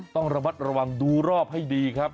ต้องระมัดระวังดูรอบให้ดีครับ